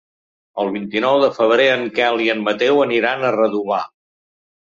El vint-i-nou de febrer en Quel i en Mateu aniran a Redovà.